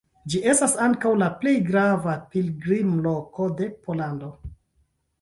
Ĝi estas ankaŭ la plej grava pilgrimloko de Pollando.